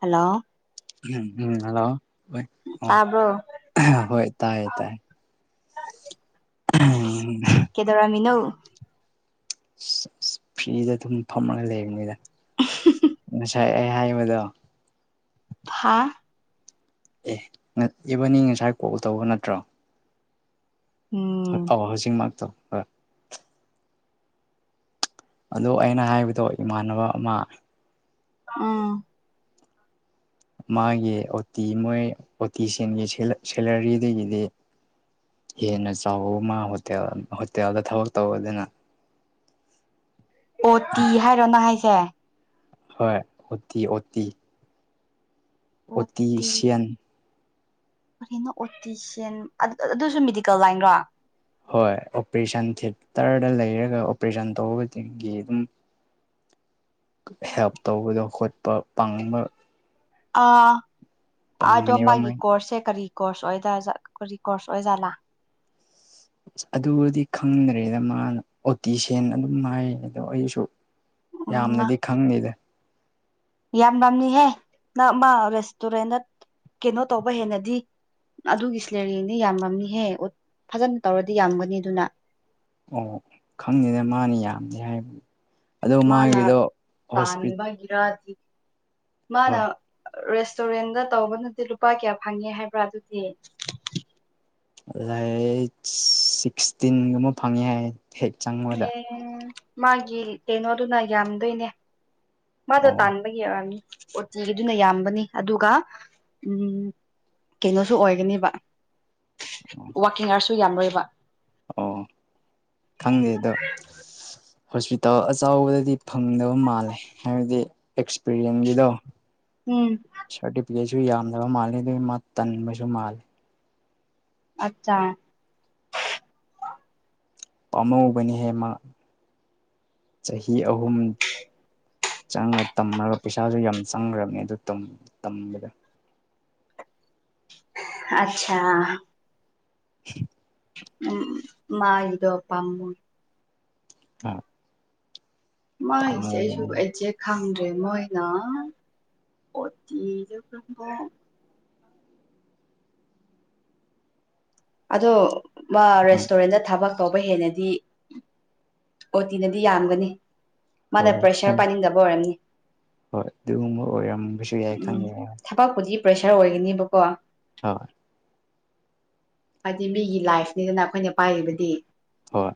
hello ꯝꯝ hello ꯇꯥꯕ꯭ꯔꯣ ꯍꯣꯏ ꯇꯥꯏꯌꯦ ꯇꯥꯏꯌꯦ ꯎꯝ ꯀꯦꯗꯧꯔꯝ ꯃꯤꯅ‌ꯣ ꯑꯁ ꯐ꯭ꯔꯤꯗ ꯑꯗꯨꯝ ꯐꯝꯃꯒ ꯂꯩꯕꯅꯤꯗ ꯉꯁꯥꯏ ꯑꯩ ꯍꯥꯏꯕꯗꯣ ꯍꯥꯥ ꯑꯦ ꯏꯕꯅꯤ ꯉꯁꯥꯏ ꯀꯣꯜ ꯇꯧꯕ ꯅꯠꯇ꯭ꯔꯣ ꯍꯣꯏ ꯎꯝ ꯇꯧꯔ‌ꯣ ꯍꯖꯤꯛ ꯃꯥꯡꯇꯣ ꯈꯔ ꯑꯗꯣ ꯑꯩꯅ ꯍꯥꯏꯕꯗꯣ ꯏꯃꯥꯟꯅꯕ ꯑꯃ ꯑꯥ ꯃꯥꯒꯤ ꯑꯣꯇꯤ ꯃꯣꯏ ꯑꯣꯇꯤꯒꯤ ꯁꯦꯂꯔꯤꯗꯒꯤꯗꯤ ꯍꯦꯟꯅ ꯆꯥꯎꯕ ꯑꯃ ꯍꯣꯇꯦꯜ ꯍꯣꯇꯦꯜꯗ ꯊꯕꯛ ꯇꯧꯕꯗꯅ ꯑꯣ ꯇꯤ ꯍꯥꯏꯔꯣ ꯅꯪ ꯍꯥꯏꯁꯦ ꯍꯣꯏ ꯑꯣꯇꯤ ꯑꯣꯇꯤ ꯑꯣ ꯑꯣꯇꯁꯤꯌꯥꯟ ꯑꯣꯇꯤꯁꯤꯟ ꯑꯗꯨꯁꯨ ꯃꯦꯗꯤꯀꯦꯜ ꯂꯥꯏꯟ꯭ꯔꯣ ꯍꯣꯏ ꯑꯣꯄꯔꯦꯁꯟ ꯊꯦꯇꯔꯗ ꯂꯩꯔꯒ ꯑꯣꯄꯔꯦꯁꯟ ꯇꯧꯕꯗꯒꯤ ꯑꯗꯨꯝ ꯍꯦꯜꯞ ꯇꯧꯕꯗꯣ ꯍꯣꯠꯄ ꯄꯥꯡꯕ ꯑꯗꯣ ꯄꯪꯕꯅꯦꯕ ꯃꯥꯒꯤ ꯃꯣꯏ ꯀꯣꯔꯁꯁꯦ ꯀꯔꯤ ꯀꯣꯔꯁ ꯑꯣꯏ ꯀꯔꯤ ꯀꯣꯔꯁ ꯑꯣꯏꯖꯥꯠꯂꯥ ꯑꯁ ꯑꯗꯨꯕꯨꯗꯤ ꯈꯪꯗ꯭ꯔꯦꯗ ꯃꯥꯅ ꯑꯣꯇꯤ ꯁꯦꯟ ꯑꯗꯨꯝ ꯍꯥꯏꯔꯒ ꯑꯗꯣ ꯑꯩꯁꯨ ꯎꯝ ꯌꯥꯝꯅꯗꯤ ꯈꯪꯇꯦꯗ ꯌꯥꯝ ꯌꯥꯝꯅꯤꯍꯦ ꯅꯪ ꯃꯥ ꯔꯦꯁꯇꯨꯔꯦꯟꯗ ꯀꯩꯅꯣ ꯇꯧꯕ ꯍꯦꯟꯅꯗꯤ ꯑꯗꯨꯒꯤ ꯁꯂꯦꯔꯤꯅꯗꯤ ꯌꯥꯝꯃꯝꯅꯤꯍꯦ ꯐꯖꯅ ꯇꯧꯔꯗꯤ ꯌꯥꯝꯒꯅꯤ ꯑꯗꯨꯅ ꯑꯣ ꯈꯪꯗꯦꯅ ꯃꯥꯅꯤ ꯌꯥꯝꯅꯤ ꯍꯥꯏꯕꯅꯤ ꯑꯗꯣ ꯃꯥꯒꯤꯗꯣ ꯍꯣꯁꯄꯤ ꯒꯤ ꯔꯥꯑꯗꯤ [inaudible] ꯃꯥꯅ ꯔꯦꯁꯇꯨꯔꯦꯟꯗ ꯇꯧꯕꯅꯗꯤ ꯂꯨꯄꯥ ꯀꯌꯥ ꯐꯪꯉꯦ ꯍꯥꯏꯕ꯭ꯔꯥ ꯑꯗꯨꯗꯤ ꯥꯏ ꯁꯤꯛꯁꯇꯤꯟꯒꯨꯝꯕ ꯐꯪꯉꯦ ꯍꯥꯏ ꯍꯦꯛ ꯆꯪꯕꯗ ꯎꯝ ꯃꯥꯒꯤ ꯀꯩꯅꯣꯗꯨꯅ ꯌꯥꯝꯗꯣꯏꯅꯦ ꯃꯥꯗꯣ ꯑꯣ ꯇꯥꯟꯕꯒꯤꯔꯅꯤ ꯑꯣꯇꯤꯒꯤꯗꯨꯅ ꯌꯥꯝꯕꯅꯤ ꯑꯗꯨꯒ ꯎꯝ ꯀꯩꯅꯣꯁꯨ ꯑꯣꯏꯒꯅꯦꯕ ꯋꯥꯀꯤꯡ ꯑꯥꯔꯁꯨ ꯌꯥꯝꯔꯣꯏꯕ ꯑꯣ ꯈꯪꯗꯦ ꯑꯗꯣ ꯍꯣꯁꯄꯤꯇꯥꯜ ꯑꯆꯥꯎꯕꯗꯗꯤ ꯐꯪꯗꯕ ꯃꯥꯜꯂꯦ ꯍꯥꯏꯕꯗꯤ ꯑꯦꯛꯁꯄꯤꯔꯤꯌꯦꯟꯁꯒꯤꯗꯣ ꯎꯝ ꯁꯇꯤ ꯄꯁꯨ ꯌꯥꯝꯗꯕ ꯃꯥꯜꯂ ꯑꯗꯨꯒꯤ ꯃꯥ ꯇꯟꯕꯁꯨ ꯃꯥꯜꯂꯦ ꯑꯆꯥ ꯄꯥꯝꯃꯧꯕꯅꯤꯍꯦ ꯃꯥ ꯆꯍꯤ ꯑꯍꯨꯝ ꯆꯪꯉ ꯇꯝꯃꯒ ꯄꯩꯁꯥꯁꯨ ꯌꯥꯝ ꯆꯪꯈ꯭ꯔꯕꯅꯤ ꯑꯗꯨ ꯇꯝꯕꯗ ꯑꯆꯥ [inaudible] ꯎꯝ ꯃꯥ ꯏꯗꯣ ꯑꯄꯥ ꯑꯃꯣ ꯑꯥ ꯃꯥꯥꯏꯁꯨ ꯑꯦꯖꯦ ꯈꯪꯗ꯭ꯔꯦ ꯃꯣꯏꯅ ꯑꯣꯠꯇꯤꯖꯕꯣ ꯑꯗꯣ ꯃꯥ ꯑ ꯔꯦꯁꯇꯨꯔꯦꯟꯗ ꯊꯕꯛ ꯐꯥꯎꯕ ꯍꯦꯟꯅꯗꯤ ꯑꯣ ꯇꯤꯅꯗꯤ ꯌꯥꯝꯒꯅꯤ ꯍꯣꯏ ꯃꯥꯅ ꯍꯣꯏ ꯄ꯭ꯔꯦꯁꯔ ꯈꯪ ꯄꯥꯏꯅꯤꯡꯗꯕ ꯍꯔꯅꯤ ꯍꯣꯏ ꯑꯗꯨꯒꯨꯝꯕ ꯑꯣꯏꯔꯝꯕꯁꯨ ꯌꯥꯏ ꯈꯪꯖ ꯑꯄꯥꯛꯄꯨꯗꯤ ꯄ꯭ꯔꯦꯁꯔ ꯑꯣꯏꯒꯅꯤꯕꯀꯣ ꯍꯣꯏ ꯍꯥꯏꯗꯤ ꯃꯤꯒꯤ ꯂꯥꯏꯐꯅꯤꯗꯅ ꯑꯩꯈꯣꯏꯅ ꯄꯥꯏꯔꯤꯕꯗꯤ ꯍꯣꯏ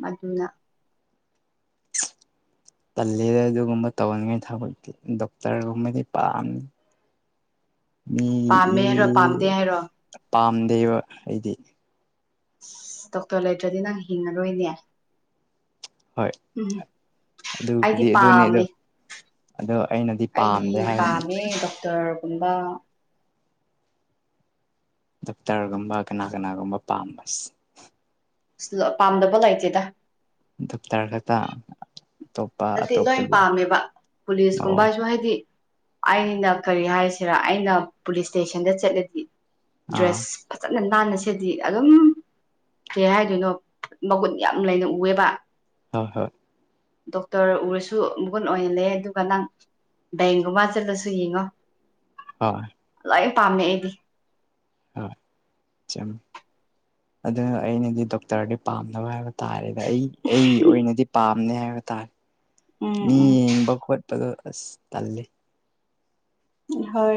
ꯃꯗꯨꯅ ꯇꯜꯂꯦꯗ ꯑꯗꯨꯒꯨꯝꯕ ꯇꯧꯍꯟꯉꯥꯏ ꯊꯕꯤ ꯗꯣꯛꯇꯔꯒꯨꯝꯕꯗꯤ ꯄꯥꯝꯃꯤ ꯃꯤ ꯄꯥꯝꯃꯦ ꯍꯥꯏꯔꯣ ꯄꯥꯝꯗꯦ ꯍꯥꯏꯔꯣ ꯄꯥꯝꯗꯦꯕ ꯑꯩꯗꯤ ꯗꯣꯛꯇꯔ ꯂꯩꯇ꯭ꯔꯗꯤ ꯅꯪ ꯍꯤꯡꯉꯔꯣꯏꯅꯦ ꯍꯣꯏ ꯎꯝ ꯑꯩꯗꯤ ꯑꯗꯨꯕꯨꯗꯤ ꯑꯗꯨꯅꯤ ꯑꯗꯣ ꯄꯥꯝꯃꯦ ꯑꯗꯣ ꯑꯩꯅꯗꯤ ꯑꯩꯗꯤ ꯄꯥꯝꯗꯦ ꯍꯥꯏꯕꯅꯤ ꯄꯥꯝꯃꯦ ꯗꯣꯛꯇꯔꯒꯨꯝꯕ ꯗꯣꯛꯇꯔꯒꯨꯝꯕ ꯀꯅꯥ ꯀꯅꯥꯒꯨꯝꯕ ꯄꯥꯝꯕꯁ ꯄꯥꯝꯗꯕ ꯂꯩꯇꯦꯗ ꯇꯞ ꯇꯔ ꯈꯛꯇ ꯑꯇꯣꯞ ꯅꯠꯇꯦ ꯂꯣꯏ ꯄꯥꯝꯃꯦꯕ ꯑꯣ ꯄꯨꯂꯤꯁꯀꯨꯝꯕꯁꯨ ꯍꯥꯏꯗꯤ ꯑꯩꯅ ꯀꯔꯤ ꯍꯥꯏꯁꯤꯔꯥ ꯑꯩꯅ ꯄꯨꯂꯤꯁ ꯏꯁꯇꯦꯁꯟꯗ ꯆꯠꯂꯗꯤ ꯑꯥ ꯗ꯭ꯔꯦꯁ ꯐꯖꯅ ꯅꯥꯟꯅꯁꯗꯤ ꯑꯗꯨꯝ ꯀꯩ ꯍꯥꯏꯗꯣꯏꯅꯣ ꯃꯒꯨꯟ ꯌꯥꯝ ꯂꯩꯅ ꯎꯑꯦꯕ ꯍꯣꯏ ꯍꯣꯏ ꯗꯣꯛꯇꯔ ꯎꯔꯁꯨ ꯃꯒꯨꯟ ꯑꯣꯏꯅ ꯂꯩ ꯑꯗꯨꯒ ꯅꯪ ꯦꯡꯒ ꯃꯥꯆꯜꯂꯁꯨ ꯌꯦꯡꯉꯣ ꯍꯣꯏ ꯂꯥꯏ ꯄꯥꯝꯃꯦ ꯑꯩꯗꯤ ꯍ ꯆ [inaudible] ꯑꯗꯨ ꯑꯩꯅꯗꯤ ꯗꯣꯛꯇꯔꯗꯤ ꯄꯥꯝꯅꯕ ꯍꯥꯏꯕ ꯇꯥꯔꯦꯗ ꯑꯩ ꯑꯩꯒꯤ ꯑꯣꯏꯅꯗꯤ ꯄꯥꯝꯅꯦ ꯍꯥꯏꯕ ꯇꯥꯔꯦ ꯎꯝ ꯃꯤ ꯎꯝ ꯌꯦꯡꯕ ꯈꯣꯠꯄꯗ ꯑꯁ ꯇꯜꯂꯤ ꯍꯣꯏ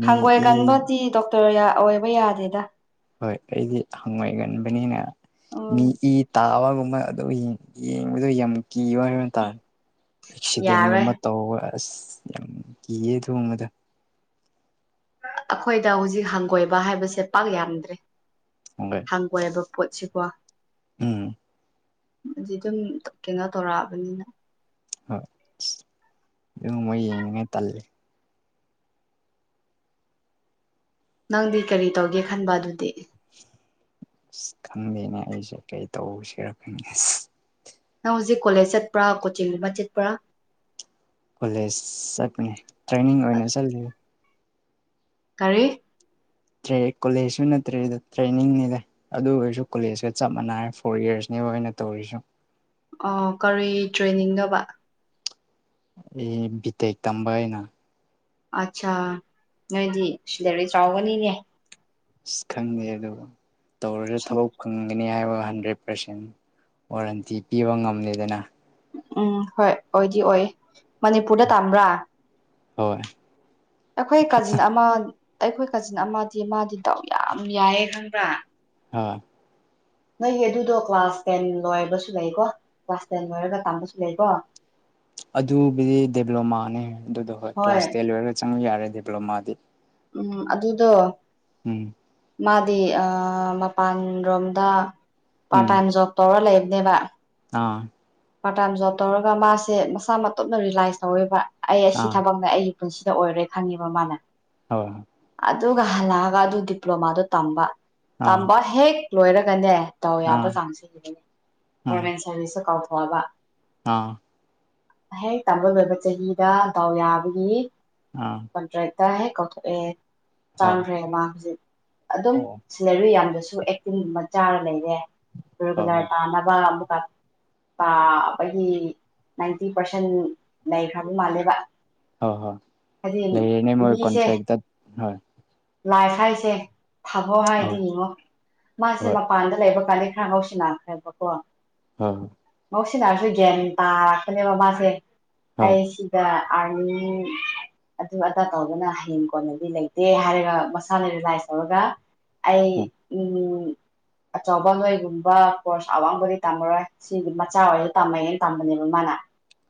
ꯃꯤ ꯍꯪꯒꯣꯏ ꯏ ꯀꯟꯕꯗꯤ ꯗꯣꯛꯇꯔ ꯑꯣꯏꯕ ꯌꯥꯗꯦꯗ ꯍꯣꯏ ꯑꯩꯗꯤ ꯍꯪꯑꯣꯣꯏꯒꯟꯕꯅꯤꯅ ꯃꯤ ꯎꯝ ꯏ ꯇꯥꯕꯒꯨꯝꯕ ꯑꯣ ꯌꯦꯡꯕꯗꯣ ꯌꯥꯝ ꯀꯤꯌ ꯍꯥꯏꯕ ꯇꯥꯔꯦ ꯌꯥꯔꯣꯏ ꯑꯦꯛꯁꯤꯗꯦꯟꯒꯨꯝꯕ ꯇꯧꯔ ꯑꯁ ꯌꯥꯝ ꯀꯤꯌꯦ ꯊꯣꯡꯕꯗ ꯑꯩꯈꯣꯏꯗ ꯍꯧꯖꯤꯛ ꯍꯪꯒꯣꯏꯕ ꯍꯥꯏꯕꯁꯦ ꯄꯥꯛ ꯌꯥꯝꯗ꯭ꯔꯦ ꯎ ꯍꯪ ꯀꯣꯏꯕ ꯄꯣꯠꯁꯤꯀꯣ ꯎꯝ ꯑꯗꯨ ꯑꯗꯨꯝ ꯀꯩꯅꯣ ꯇꯧꯔꯛꯑꯕꯅꯤꯅ ꯍꯣꯏ ꯑꯗꯨ ꯃꯣꯏ ꯌꯦꯡꯅꯤꯡꯉꯥꯏ ꯇꯜꯂꯦ ꯅꯪꯗꯤ ꯀꯔꯤ ꯇꯧꯒꯦ ꯈꯟꯕ ꯑꯗꯨꯗꯤ ꯑ ꯈꯟꯗꯦꯅꯦ ꯑꯩꯁꯦ ꯀꯩ ꯇꯧꯁꯤꯔꯛꯀꯅꯤ ꯅꯪ ꯍꯧꯖꯤꯛ ꯀꯣꯂꯦꯖ ꯆꯠꯄ꯭ꯔꯥ ꯀꯣꯆꯤꯡꯗꯨꯃ ꯆꯠꯄ꯭ꯔꯥ ꯀꯣꯂꯦꯖ ꯆꯠꯄꯅꯦ ꯇ꯭ꯔꯦꯅꯤꯡ ꯑꯣꯏꯅ ꯆꯠꯂ ꯀꯔꯤ ꯇ ꯀꯣꯂꯦꯖꯁꯨ ꯅꯠꯇ꯭ꯔꯦꯗ ꯇ꯭ꯔꯦꯅꯤꯡꯅꯤꯗ ꯑꯗꯨ ꯑꯣꯏꯔꯁꯨ ꯀꯣꯂꯦꯖꯀ ꯆꯞ ꯃꯥꯟꯅꯏꯦ ꯐꯣꯔ ꯏꯌꯥꯔꯁꯅꯤꯕ ꯑꯣꯏꯅ ꯇꯧꯔꯤꯁꯨ ꯑꯣ ꯀꯔꯤ ꯇ꯭ꯔꯦꯟꯅꯤꯡ ꯅꯣꯕꯥ ꯑꯦ ꯕꯤ ꯇꯦꯛ ꯇꯝꯕ ꯍꯥꯏꯅ ꯑꯠꯆꯥ ꯅꯣꯏꯗꯤ ꯁꯤꯂꯥꯔꯤ ꯆꯥꯎꯒꯅꯤꯅꯦ ꯑꯁ ꯈꯪꯗꯦ ꯑꯗꯨꯒ ꯇꯧꯔꯒ ꯊꯕꯛ ꯈꯪꯒꯅꯤ ꯍꯥꯏꯕ ꯍꯟꯗ꯭ꯔꯦꯠ ꯄꯥꯔꯁꯦꯟ ꯋꯥꯔꯟꯇꯤ ꯄꯤꯕ ꯉꯝꯗꯦꯗꯅ ꯎꯝ ꯍꯣꯏ ꯑꯣꯏꯗꯤ ꯑꯣꯏ ꯃꯅꯤꯄꯨꯔꯗ ꯇꯝꯕ꯭ꯔꯥ ꯍꯣꯏ ꯑꯩꯈꯣꯏ ꯀꯥꯖꯤꯟ ꯑꯃ ꯑꯩꯈꯣꯏ ꯀꯥꯖꯤꯟ ꯑꯃꯗꯤ ꯃꯥꯗꯤ ꯇꯎ ꯌꯥꯝ ꯌꯥꯏꯌꯦ ꯈꯪꯕ꯭ꯔꯥ ꯍꯥ [inaudible] ꯅꯣꯏꯒꯤ ꯑꯗꯨꯗꯣ ꯀ꯭ꯂꯥꯁ ꯇꯦꯟ ꯂꯣꯏꯔꯕꯁꯨ ꯂꯩꯀꯣ ꯀ꯭ꯂꯥꯁ ꯇꯦꯟ ꯂꯣꯏꯔꯒ ꯇꯥꯟꯕꯁꯨ ꯂꯩꯀꯣ ꯑꯗꯨꯕꯨꯗꯤ ꯗꯗꯤꯕ꯭ꯂꯣꯃꯥꯅꯦ ꯑꯗꯨꯗꯣ ꯍꯣꯏ ꯀ꯭ꯂꯥꯁ ꯇꯦꯟ ꯂꯣꯏꯔꯒ ꯆꯪꯕ ꯌꯥꯔꯦ ꯗꯤꯕ꯭ꯂꯣꯃꯥꯗꯤ ꯎꯝ ꯑꯗꯨꯗꯣ ꯎꯝ ꯃꯥꯗꯤ ꯃꯄꯥꯟ ꯔꯣꯝꯗ ꯄꯥꯔꯠ ꯎꯝ ꯇꯥꯏꯝ ꯖꯣꯕ ꯇꯧꯔ ꯂꯩꯕꯅꯦꯕ ꯑꯥ ꯄꯥꯔꯠ ꯇꯥꯏꯝ ꯖꯣꯕ ꯇꯧꯔꯒ ꯃꯥꯁꯦ ꯃꯁꯥ ꯃꯇꯨꯞꯅ ꯔꯤꯂꯥꯏꯁ ꯇꯧꯋꯦꯕ ꯑꯩ ꯑꯁꯤ ꯑꯥ ꯊꯕꯛꯅꯦ ꯑꯩ ꯄꯨꯟꯁꯤꯗ ꯑꯣꯏꯔꯦ ꯈꯪꯉꯦꯕ ꯃꯥꯅꯦ ꯍ ꯑꯗꯨꯒ ꯍꯜꯂꯛꯑꯒ ꯑꯗꯨ ꯗꯤꯄ꯭ꯂꯣꯃꯥꯗꯣ ꯇꯝꯕ ꯑꯥ ꯇꯝꯕ ꯍꯦꯛ ꯂꯣꯏꯔꯒꯅꯦ ꯇꯧ ꯑꯥ ꯌꯥꯕ ꯆꯥꯡꯁꯤꯅꯤ ꯒꯣꯔꯃꯦꯟ ꯁꯥꯔꯚꯤꯁꯁꯨ ꯀꯥꯎꯊꯣꯛꯑꯕ ꯑꯥ ꯍꯦꯛ ꯇꯝꯕ ꯂꯣꯏꯕ ꯆꯍꯤꯗ ꯗꯥꯎ ꯌꯥꯕꯒꯤ ꯑꯥ ꯀꯣꯟꯇ꯭ꯔꯦꯛꯇ ꯍꯦꯛ ꯀꯧꯊꯣꯛꯑꯦ ꯍꯣꯏ ꯆꯥꯡꯈ꯭ꯔꯦ ꯃꯥ ꯍꯧꯖꯤꯛ ꯑꯗꯨꯝ ꯑꯣ ꯍꯣꯏ ꯁꯤꯂꯔꯨ ꯌꯥꯝꯗꯁꯨ ꯑꯦꯛꯇꯤꯡ ꯑꯃ ꯆꯥꯔ ꯂꯩꯔꯦ ꯍꯣꯏ ꯔꯤꯒꯨꯂꯔ ꯇꯥꯅꯕ ꯑꯃ ꯇꯥꯕꯒꯤ ꯅꯥꯏꯟꯇꯤ ꯄꯥꯔꯁꯦꯟ ꯂꯩꯈ꯭ꯔꯕ ꯃꯥꯜꯂꯦꯕ ꯍꯣꯏ ꯍꯣꯏ ꯍꯥꯏꯗꯤ ꯂꯩꯔꯦꯅꯦ ꯃꯣꯏ ꯀꯣꯟꯇ꯭ꯔꯦꯛꯇ ꯍꯣꯏ ꯂꯥꯏ ꯍꯥꯏ ꯍꯥꯏꯁꯦ ꯊꯕꯣ ꯍꯣꯏ ꯍꯥꯏꯗꯤ ꯌꯦꯉꯣ ꯃꯥꯁꯦ ꯍꯣꯏ ꯃꯄꯥꯟꯗ ꯂꯩꯕ ꯀꯥꯟꯗ ꯈꯔ ꯍꯧꯥꯎꯁꯤꯅꯥꯈ꯭ꯔꯦꯕꯀꯣ ꯍ ꯉꯧꯁꯤꯟꯅꯔꯁꯨ ꯒ꯭ꯌꯥꯟ ꯇꯥꯔꯛꯄꯅꯦꯕ ꯃꯥꯁꯦ ꯍꯣꯏ ꯑꯩ ꯑ ꯑꯗꯨ ꯑꯗꯥ ꯇꯧꯗꯨꯅ ꯍꯌꯦꯡ ꯀꯣꯟꯅꯗꯤ ꯂꯩꯇꯦ ꯍꯥꯏꯔꯒ ꯃꯁꯥꯅ ꯔꯤꯂꯥꯏꯁ ꯇꯧꯔꯒ ꯑꯩ ꯍꯣꯏ ꯎꯝ ꯑꯆꯧꯕ ꯅꯣꯏꯒꯨꯝꯕ ꯀꯣꯔꯁ ꯑꯋꯥꯡꯕꯗꯤ ꯇꯝꯃꯔꯣꯏ ꯁꯤꯒꯨꯝꯕ [inaudible] ꯃꯆꯥꯋꯥꯣ ꯇꯝꯃꯦꯩꯅꯅ ꯇꯝꯕꯅꯦꯕ ꯃꯥꯅ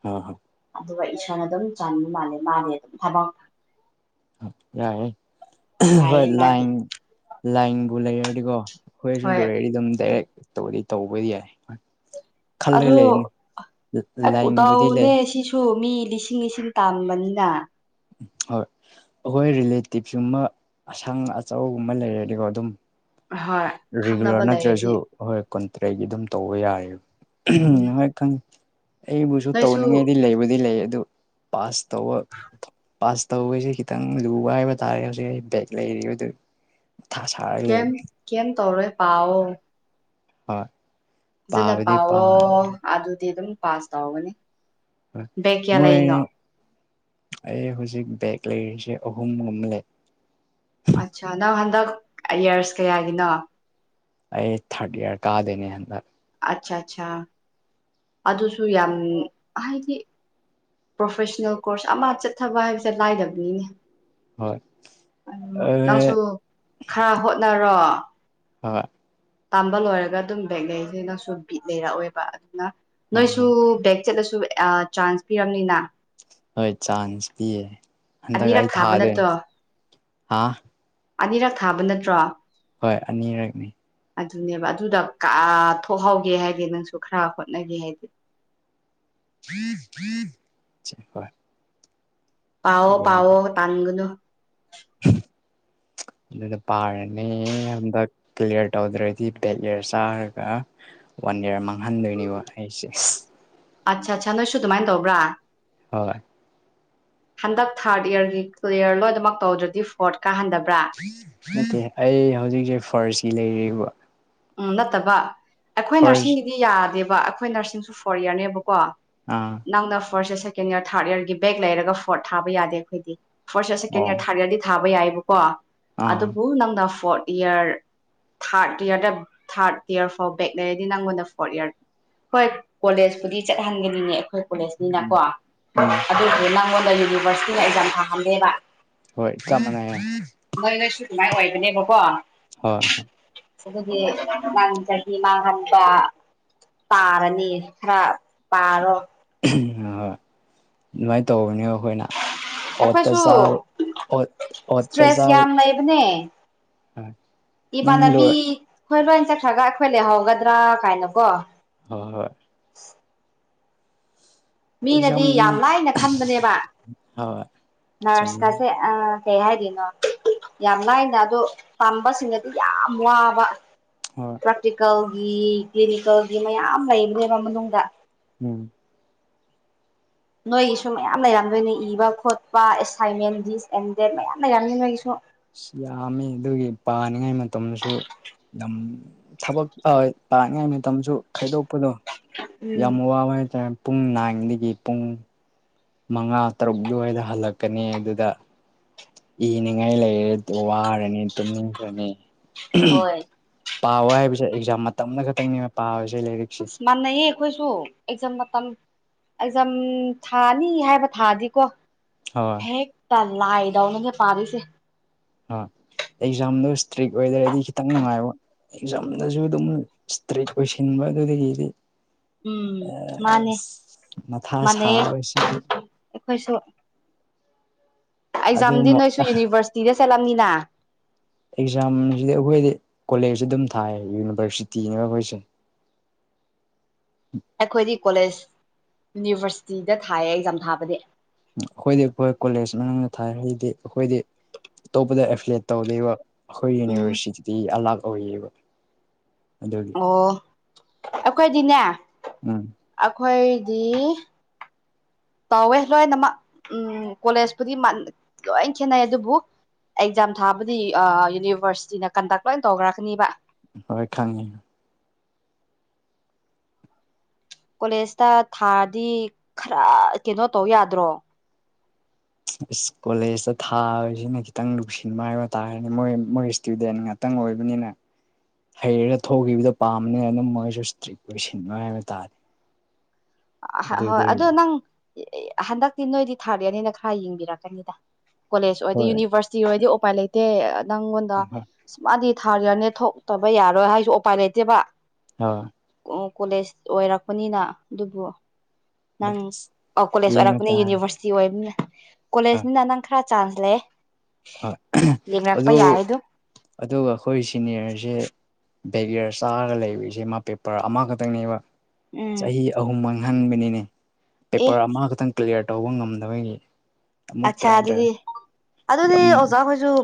ꯍꯣꯢ ꯍꯣꯢ ꯑꯗꯨꯒ ꯏꯁꯣꯔꯅ ꯑꯗꯨꯝ ꯆꯟꯕ ꯃꯥꯜꯂꯦ ꯃꯥꯅꯦ ꯑꯗꯨꯝ ꯊꯕꯛ ꯌꯥꯔꯦ ꯍꯣꯏ ꯍꯥꯏꯌꯦ ꯂꯥꯏ ꯃꯥꯗꯤ ꯂꯥꯏꯕꯨ ꯂꯩꯔꯗꯤꯀꯣ ꯈꯣꯏꯁꯨ ꯍꯣꯏ ꯂꯣꯏꯔꯗꯤ ꯑꯗꯨꯝ ꯗꯥꯏꯔꯦꯛ ꯇꯧꯗꯤ ꯇꯧꯕꯗꯤ ꯌꯥꯏ ꯈꯜꯂꯒ ꯂꯩꯕꯅꯤ ꯑꯗꯨ ꯂꯥꯏꯟꯕꯨꯗꯤ ꯂꯩ ꯗꯥꯎꯅꯦ ꯁꯤꯁꯨ ꯁꯨ ꯃꯤ ꯂꯤꯁꯤꯡ ꯂꯤꯁꯤꯡ ꯇꯝꯕꯅꯤꯅ ꯎꯝ ꯍꯣꯏ ꯑꯩꯈꯣꯏ ꯔꯤꯂꯦꯇꯤꯞ ꯁꯤꯒꯨꯝꯕ ꯑꯁꯪ ꯑꯆꯧꯕꯒꯨꯝꯕ ꯂꯩꯔꯗꯤꯀꯣ ꯑꯗꯨꯝ ꯍꯣꯏ ꯔꯤꯒꯨꯂꯔ ꯈꯪꯅꯕ ꯅꯠꯇ꯭ꯔꯁꯨ ꯂꯩꯔꯗꯤ ꯍꯣꯏ ꯀꯨꯟꯇꯔꯦꯠꯒꯤ ꯑꯗꯨꯝ ꯇꯧꯕ ꯌꯥꯏ ꯎꯝ ꯍꯣꯢ ꯈꯪꯗꯦ ꯑꯩꯕꯨꯁꯨ ꯅꯣꯏꯁꯨ ꯇꯧꯅꯤꯡꯉꯥꯏꯗꯤ ꯂꯩꯕꯨꯗꯤ ꯂꯩ ꯑꯗꯨ ꯄꯥꯁ ꯇꯧꯕ ꯄꯥꯁ ꯇꯧꯕꯁꯦ ꯈꯤꯇꯪ ꯂꯨꯕ ꯍꯥꯏꯕ ꯇꯥꯔꯦ ꯍꯧꯖꯤꯛ ꯑꯩ ꯕꯦꯛ ꯂꯩꯔꯤꯕꯗꯨ ꯀꯦꯝ ꯀꯦꯝ ꯇꯧꯔꯣꯏ ꯄꯥꯎ ꯍꯣꯏ ꯐꯖꯅ ꯄꯥꯕꯗꯤ ꯄꯥ ꯄꯥꯎꯑꯣ ꯑꯗꯨꯗꯤ ꯑꯗꯨꯝ ꯄꯥꯁ ꯇꯧꯒꯅꯤ ꯍ ꯕꯦꯛ ꯀꯌꯥ ꯃꯣꯏ ꯂꯩꯅꯣ ꯑꯩ ꯍꯧꯖꯤꯛ ꯕꯦꯦꯛ ꯂꯩꯔꯤꯁꯦ ꯑꯍꯨꯝꯒꯨꯝ ꯂꯩ ꯑꯠꯆꯥ ꯅꯪ ꯍꯟꯗꯛ ꯏꯌꯥꯔꯁ ꯀꯌꯥꯒꯤꯅꯣ ꯑꯩ ꯊꯥꯔꯠ ꯏꯌꯥꯔ ꯀꯥꯗꯨꯢꯅꯦ ꯍꯟꯗꯛ ꯑꯆꯥ ꯑꯆꯥ ꯑꯗꯨꯁꯨ ꯌꯥꯝ ꯍꯥꯏꯗꯤ ꯄ꯭ꯔꯣꯐꯦꯁꯅꯦꯜ ꯀꯣꯔꯁ ꯑꯃ ꯆꯠꯊꯕ ꯍꯥꯏꯕꯁꯦ ꯂꯥꯏꯗꯕꯅꯤꯅꯦ ꯍꯣꯏ ꯑ ꯍꯣꯏ ꯅꯪꯁꯨ ꯈꯔ ꯍꯣꯠꯅꯔꯣ ꯍꯣꯏ ꯇꯥꯝꯕ ꯂꯣꯏꯔꯒ ꯑꯗꯨꯝ ꯕꯦꯦꯛꯅꯦꯁꯤꯅꯁꯨ ꯕꯤꯠ ꯂꯩꯔꯛꯑꯣꯏꯕ ꯑꯗꯨꯅ ꯅꯣꯏꯁꯨ ꯍꯣꯏ ꯕꯦꯛ ꯆꯠꯂꯁꯨ ꯆꯥꯟꯁ ꯄꯤꯔꯝꯅꯤꯅ ꯍꯣꯏ ꯆꯥꯟꯁ ꯄꯤꯌꯦ ꯍꯟꯗꯛ ꯑꯅꯤꯔꯛ ꯑꯩ ꯊꯥꯕ ꯊꯥꯗꯣꯏꯅꯦ ꯅꯠꯇ꯭ꯔꯣ ꯍꯥ ꯑꯅꯤꯔꯛ ꯊꯥꯕ ꯅꯠꯇ꯭ꯔꯣ ꯍꯣꯏ ꯑꯅꯤꯔꯛꯅꯤ ꯑꯗꯨꯅꯦꯕ ꯑꯗꯨꯗ ꯀꯥ ꯊꯣꯛꯍꯧꯒꯦ ꯍꯥꯏꯗꯤ ꯅꯪꯁꯨ ꯈꯔ ꯍꯣꯠꯅꯒꯦ ꯍꯥꯏꯗꯤ [inaudible] ꯄꯥꯎꯋꯣ ꯄꯥꯎꯋꯣ ꯇꯥꯡꯒꯅꯣ ꯑꯗꯨꯅ ꯄꯥꯔꯅꯦ ꯍꯥꯟꯗꯥꯛ ꯄ꯭ꯂꯦꯌꯔ ꯇꯧꯗ꯭ꯔꯗꯤ ꯕꯦꯠꯂꯔ ꯆꯥꯔꯒ ꯋꯥꯟ ꯏꯌꯥꯔ ꯃꯥꯡꯍꯟꯗꯣꯏꯅꯦꯕ ꯑꯩꯁꯦ ꯑꯠꯆꯥ ꯑꯠꯆꯥ ꯅꯣꯏꯁꯨ ꯑꯗꯨꯃꯥꯏꯅ ꯇꯧꯕ꯭ꯔꯥ ꯍꯣꯏ ꯍꯟꯗꯛ ꯊꯥꯔꯠ ꯏꯌꯥꯔꯒꯤ ꯏꯌꯔ ꯂꯣꯏꯅꯃꯛ ꯇꯧꯗ꯭ꯔꯗꯤ ꯐꯣꯔꯠ ꯀꯥꯍꯟꯗꯕ꯭ꯔꯥ ꯅꯠꯇꯦ ꯑꯩ ꯍꯧꯖꯤꯛꯁꯦ ꯐꯔꯁꯤ ꯂꯩꯔꯤꯕ ꯎꯝ ꯅꯠꯇꯕ ꯑꯩꯈꯣꯏ ꯐꯥꯔꯁ ꯅꯔꯁꯤꯡꯒꯤꯗꯤ ꯌꯥꯗꯦꯕ ꯑꯩꯈꯣꯏ ꯅꯔꯁꯤꯡꯁꯨ ꯐꯣꯔꯌꯔꯅꯦꯕꯀꯣ ꯑꯥ ꯅꯪꯅ ꯐꯔꯁ ꯌꯔꯦꯀꯦꯟ ꯌꯔ ꯊꯥꯔꯠ ꯏꯌꯔꯒꯤ ꯕꯦꯛ ꯂꯩꯔꯒ ꯐꯣꯔꯠ ꯊꯕ ꯌꯥꯗꯦ ꯑꯩꯈꯣꯏꯗꯤ ꯑꯣ ꯐꯔꯁꯔꯦꯀꯦꯟ ꯏꯌꯔ ꯊꯥꯔꯠ ꯌꯔꯗꯤ ꯊꯥꯕ ꯌꯥꯏꯕꯀꯣ ꯑꯥ ꯑꯗꯨꯕꯨ ꯅꯪꯅ ꯐꯣꯔꯠ ꯏꯌꯥꯔ ꯊꯥꯔꯠ ꯏꯌꯥꯔꯗ ꯊꯥꯔꯗ ꯏꯌꯥꯔ ꯐꯥꯎ ꯕꯦꯛ ꯂꯩꯔꯗꯤ ꯅꯪꯉꯣꯟꯗ ꯐꯣꯔꯠ ꯏꯔ ꯍꯣꯏ ꯀꯣꯂꯦꯖꯄꯨꯗꯤ ꯆꯠꯍꯟꯒꯅꯤꯉ ꯑꯩꯈꯣꯏ ꯀꯣꯂꯦꯖꯅꯤꯅꯀꯣ ꯎꯝ ꯑꯗꯨꯁꯨ ꯅꯪꯉꯣꯟꯗ ꯌꯨꯅꯤꯚꯔꯁꯤꯇꯤꯅ ꯑꯦꯛꯖꯥꯝ ꯊꯥꯍꯟꯂꯦꯕ ꯍꯣꯏ ꯆꯞ ꯃꯥꯟꯅꯩ ꯅꯣꯏ ꯅꯣꯏꯁꯨ ꯑꯗꯨꯃꯥꯏꯅ ꯑꯣꯏꯕꯅꯦꯕꯀꯣ ꯍꯣꯏ ꯍꯣꯏ ꯃꯥꯡ ꯆ ꯃꯥ ꯍꯜꯄꯥ [inaudible] ꯇꯥꯔꯅꯤ ꯈꯔ ꯄꯥꯔꯣ ꯑ ꯍꯣꯏ ꯑꯗꯨꯃꯥꯏꯅ ꯇꯧꯕꯅꯦꯕ ꯑꯩꯈꯣꯏꯅ ꯑꯣꯠꯇ ꯑꯩꯈꯣꯏꯁꯨ ꯁꯥꯕ ꯑꯣ ꯑꯣꯠꯇ ꯏꯁꯇ꯭ꯔꯦꯁ ꯁꯥꯕ ꯌꯥꯝ ꯂꯩꯕꯅꯦ ꯍ ꯅꯪ ꯂꯣꯏ ꯍꯣꯏ ꯂꯣꯏ ꯆꯠꯈ꯭ꯔꯒ ꯑꯩꯈꯣꯏ ꯂꯩꯍꯧꯒꯗ꯭ꯔꯥ ꯀꯥꯏꯅ ꯀꯣ ꯍꯣꯏ ꯍꯣꯏ ꯑꯦꯛꯖꯥꯝ ꯃꯤꯅꯗꯤ ꯌꯥꯝ ꯂꯥꯏꯅ ꯈꯟꯕꯅꯦꯕ ꯍꯣꯏ ꯆꯨꯝꯃꯤ ꯅꯔꯁꯀꯁꯦ ꯑ ꯁꯦ ꯍꯥꯏꯗꯅꯣ ꯌꯥꯝ ꯂꯥꯏꯅ ꯑꯗꯣ ꯇꯥꯝꯕꯁꯤꯡꯅꯗꯤ ꯌꯥꯝ ꯋꯥꯕ ꯍꯣꯏ ꯄꯔꯇꯤꯀꯜꯒꯤ ꯀ꯭ꯂꯤꯅꯤꯀꯦꯜꯒꯤ ꯃꯌꯥꯝ ꯂꯩꯕꯅꯦꯕ ꯃꯅꯨꯡꯗ ꯎꯝ ꯅꯣꯏꯒꯤꯁꯨ ꯃꯌꯥꯝ ꯂꯩꯔꯝꯗꯣꯏꯅꯦ ꯏꯕ ꯈꯣꯠꯄ ꯑꯦꯁꯥꯏꯟꯃꯦꯟ ꯗꯤꯁ ꯑꯦꯟ ꯗꯦꯠ ꯃꯌꯥꯝ ꯂꯩꯔꯝꯅꯤ ꯅꯣꯏꯒꯤꯁꯨ ꯑꯁ ꯌꯥꯝꯃꯤ ꯑꯗꯨꯒꯤ ꯄꯥꯅꯤꯡꯉꯥꯏ ꯃꯇꯝꯗꯁꯨ ꯑꯗꯨ ꯊꯕꯛ ꯄꯥꯅꯤꯉꯥꯏ ꯃꯇꯝꯁꯨ ꯈꯥꯏꯗꯣꯛꯄꯗꯣ ꯎꯝ ꯌꯥꯝ ꯋꯥꯕꯦ ꯍꯥꯏꯇꯥꯔꯦ ꯄꯨꯡ ꯅꯥꯏꯗꯒꯤ ꯄꯨꯡ ꯃꯉꯥ ꯇꯔꯨꯛ ꯑꯗꯨꯋꯥꯏꯗ ꯍꯜꯂꯛꯀꯅꯤ ꯑꯗꯨꯗ ꯏꯅꯤꯡꯉꯥꯏ ꯂꯩꯔꯦ ꯋꯥꯔꯅꯤ ꯇꯨꯝꯅꯤꯡꯈ꯭ꯔꯅꯤ ꯍꯣꯏ ꯄꯥꯕ ꯍꯥꯏꯕꯁꯦ ꯑꯦꯛꯖꯥꯝ ꯃꯇꯝ ꯑꯃ ꯈꯛꯇꯪꯅꯤ ꯄꯥꯁꯦ ꯂꯩꯔꯤꯛ ꯑꯁ ꯃꯥꯟꯅꯩꯌꯦ ꯑꯩꯈꯣꯏꯁꯨ ꯑꯦꯛꯖꯥꯝ ꯃꯇꯝ ꯑꯦꯛꯖꯥꯝ ꯊꯥꯅꯤ ꯍꯥꯏꯕ ꯊꯥꯗꯤꯀꯣ ꯍ ꯍꯦꯛꯇ ꯂꯥꯏꯗꯦ ꯄꯥꯕꯤꯁꯦ ꯑꯦꯛꯖꯥꯝꯗꯣ ꯏꯁꯇ꯭ꯔꯤꯛ ꯑꯣꯏꯗꯔꯗꯤ ꯈꯤꯇꯪ ꯅꯨꯡꯉꯥꯏꯕ ꯑꯦꯛꯖꯥꯝꯗꯁꯨ ꯑꯗꯨꯝ ꯏꯁꯇ꯭ꯔꯤꯛ ꯑꯣꯏꯁꯤꯟꯕ ꯑꯗꯨꯗꯒꯤꯗꯤ ꯎꯝ ꯑ ꯃꯥꯅꯦ ꯃꯊꯥ ꯃꯥꯟꯅꯩꯌꯦ ꯁꯥꯕꯁꯤꯗꯤ ꯑꯩꯈꯣꯏꯁꯨ ꯑꯗꯨ ꯑꯦꯛꯖꯥꯝꯗꯤ ꯅꯣꯏꯁꯨ ꯌꯨꯅꯤꯚꯔꯁꯤꯇꯤꯗ ꯆꯠꯂꯝꯅꯤꯅ ꯑꯦꯛꯖꯥꯝꯁꯤꯗꯤ ꯑꯩꯈꯣꯏꯗꯤ ꯀꯣꯂꯦꯖ ꯑꯗꯨꯝ ꯊꯥꯏ ꯌꯨꯅꯤꯚꯔꯁꯤꯇꯤꯅ ꯑꯩꯈꯣꯏꯁꯦ ꯑꯩꯈꯣꯏꯗꯤ ꯀꯣꯂꯦꯖ ꯌꯨꯅꯤꯚꯔꯁꯤꯇꯤꯗ ꯊꯥꯏꯌꯦ ꯑꯦꯛꯖꯥꯝ ꯊꯥꯕꯗꯤ ꯑꯩꯈꯣꯏꯗꯤ ꯍꯈꯣꯏ ꯀꯣꯂꯦꯖ ꯃꯅꯨꯡꯗ ꯊꯥꯏꯔꯗꯤ ꯑꯩꯈꯣꯏꯗꯤ ꯑꯇꯣꯞꯄꯗ ꯑꯦꯐ꯭ꯂꯦꯠ ꯇꯧꯗꯕ ꯑꯩꯈꯣꯏ ꯎꯝ ꯌꯨꯅꯤꯚꯔꯁꯤꯇꯤꯗꯤ ꯑꯂꯥꯛ ꯑꯣꯏꯌꯦꯕ ꯑꯗꯨꯒꯤ ꯑꯣ ꯑꯩꯈꯣꯏꯗꯤꯅꯦ ꯎꯝ ꯑꯩꯈꯣꯏꯗꯤ ꯇꯧꯋꯦ ꯂꯣꯏꯅꯃꯛ ꯎꯝ ꯀꯣꯂꯦꯖꯄꯨꯗꯤ ꯂꯣꯏ ꯈꯦꯠꯅꯩ ꯑꯗꯨꯕꯨ ꯑꯦꯛꯖꯥꯝ ꯊꯥꯕꯨꯗꯤ ꯌꯨꯅꯤꯚꯔꯁꯤꯇꯤꯅ ꯀꯟꯗꯛ ꯂꯣꯏ ꯇꯧꯈ꯭ꯔꯛꯀꯅꯤꯕ ꯍꯣꯏ ꯈꯪꯉꯦ ꯀꯣꯂꯦꯖꯇ ꯊꯥꯔꯗꯤ ꯈꯔ ꯀꯩꯅꯣ ꯇꯧ ꯌꯥꯗ꯭ꯔꯣ ꯀꯣꯂꯦꯖꯇ ꯊꯥꯁꯤꯅ ꯈꯤꯇꯪ ꯅꯨꯡꯁꯤꯟꯕ ꯍꯥꯏꯕ ꯇꯥꯔꯅꯦ ꯃꯣꯏ ꯃꯣꯏ ꯏꯁꯇꯨꯗꯦꯟ ꯉꯥꯛꯇ ꯈꯤꯇꯪ ꯑꯣꯏꯕꯅꯤꯅ ꯍꯩꯔꯒ ꯊꯣꯛꯈꯤꯕꯗꯣ ꯄꯥꯝꯕꯅꯤꯅ ꯑꯗꯨꯝ ꯃꯣꯏꯁꯨ ꯏꯁꯇ꯭ꯔꯤꯛ ꯑꯣꯏꯁꯤꯟꯂꯣꯏ ꯍꯥꯏꯕ ꯇꯥꯔꯦ ꯍꯣꯏ ꯑꯗꯨꯗꯒꯤ ꯑꯗꯣ ꯅꯪ ꯍꯟꯗꯛꯇꯤ ꯅꯣꯏꯗꯤ ꯊꯥꯔꯠꯔꯅꯤꯅ ꯈꯔ ꯌꯦꯡꯕꯤꯔꯛꯀꯅꯤꯗ ꯀꯣꯂꯦꯖ ꯑꯣꯏꯔꯗꯤ ꯍꯣꯏ ꯌꯨꯅꯤꯚꯔꯁꯤꯇꯤ ꯑꯣꯏꯔꯗꯤ ꯎꯄꯥꯏ ꯂꯩꯇꯦ ꯅꯪꯉꯣꯟꯗ ꯍꯣꯏ ꯁꯃꯗꯤ ꯊꯥꯔꯤꯔꯅꯦ ꯊꯣꯛꯇꯕ ꯌꯥꯔꯣꯏ ꯍꯥꯏꯁꯨ ꯎꯄꯥꯏ ꯂꯩꯇꯦꯕ ꯑ ꯀꯣꯂꯦꯖ ꯑꯣꯏꯔꯛꯄꯅꯤꯅ ꯑꯗꯨꯕꯨ ꯍꯣꯏ ꯅꯪ ꯀꯣꯂꯦꯖ ꯌꯦꯡꯕ ꯑꯣꯏꯔꯛꯄꯅꯦ ꯇꯥꯔꯦ ꯌꯨꯅꯤꯚꯔꯁꯤ ꯁꯤ ꯑꯣꯏꯝꯅ ꯍꯣꯏ ꯀꯣꯂꯦꯖꯅꯤꯅ ꯅꯪ ꯈꯔ ꯆꯥꯟꯁ ꯂꯩ ꯍꯣꯏ ꯑꯗꯨ ꯑꯗꯨꯒ ꯑꯩꯈꯣꯏ ꯁꯤꯅꯤꯌꯔꯁꯦ ꯕꯦꯒꯌꯔ ꯆꯥꯔꯒ ꯂꯩꯕꯔꯤꯁꯦ ꯃꯥ ꯄꯦꯄꯔ ꯑꯃꯈꯛꯇꯪꯅꯦꯕ ꯎꯝ ꯆꯍꯤ ꯑꯍꯨꯝ ꯃꯥꯡꯍꯟꯕꯅꯤꯅꯦ ꯑꯦ ꯄꯦꯄꯔ ꯑꯃꯈꯛꯇꯪ ꯀ꯭ꯂꯤꯌꯥꯔ ꯇꯧꯕ ꯉꯝꯗꯕꯒꯤ ꯑꯠꯆꯥ ꯑꯃꯨꯛꯇꯔꯥꯏꯇꯥꯔꯦ ꯑꯗꯨꯗꯤ ꯑꯗꯨꯗꯤ ꯑꯣꯖꯥ ꯀꯣꯏꯁꯨ ꯐ